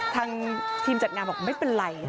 ทางทีมจัดงานบอกไม่เป็นไร